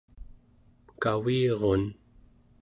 kavirun